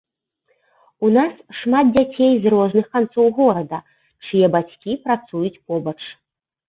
У нас шмат дзяцей з розных канцоў горада, чые бацькі працуюць побач.